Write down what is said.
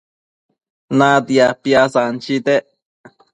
Natia piasanchitec